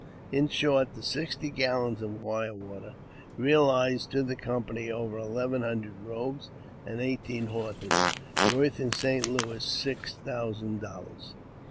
^| In short, the sixty gallons of fire water reaUzed to the com pany over eleven hundred robes and eighteen horses, worth h St. Louis six thousand dollars.